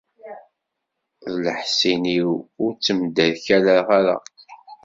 D leḥṣin-iw, ur ttemderkaleɣ ara.